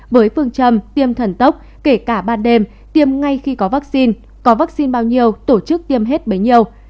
với phương châm tiêm thần tốc kể cả ban đêm tiêm ngay khi có vaccine có vaccine bao nhiêu tổ chức tiêm hết bấy nhiêu